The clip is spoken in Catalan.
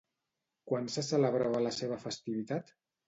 Quan se celebrava la seva festivitat?